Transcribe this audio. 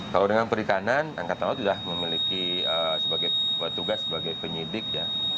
kalau dengan perikanan angkatan laut sudah memiliki sebagai tugas sebagai penyidik ya